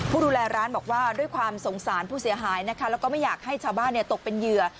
ผู้ดูแลร้านบอกว่าด้วยความสงสารผู้เสียหายนะคะแล้วก็ไม่อยากให้ชาวบ้านตกเป็นเหยื่อ